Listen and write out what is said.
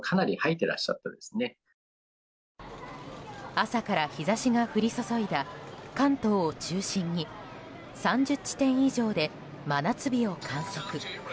朝から日差しが降り注いだ関東を中心に３０地点以上で真夏日を観測。